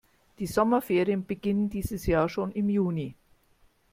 Die Sommerferien beginnen dieses Jahr schon im Juni.